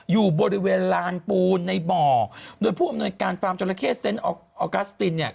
อยู่บริเวณลานปูนในบ่อโดยผู้อำนวยการฟาร์มจราเข้เซ็นต์ออกัสตินเนี่ย